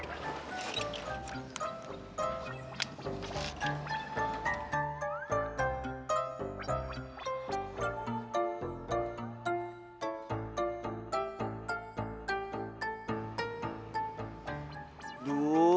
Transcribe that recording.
tante halo resep gue sampaikan